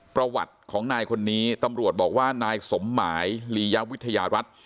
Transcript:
ประวัติของนายคนนี้ตำรวจบอกว่านายสมหมายลียวิทยารัฐ